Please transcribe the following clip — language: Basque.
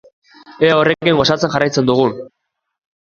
Ea horrekin gozatzen jarraitzen dugun!